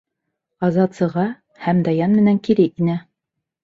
Азат сыға һәм Даян менән кире инә.